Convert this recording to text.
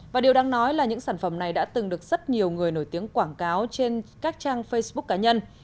và điều đáng nói là những sản phẩm này đã từng được rất nhiều người nổi tiếng quảng cáo trên các trang facebook cá nhân